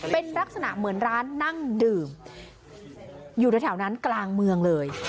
เป็นลักษณะเหมือนร้านนั่งดื่มอยู่ในแถวนั้นกลางเมืองเลย